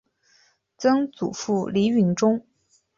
曾祖父李允中。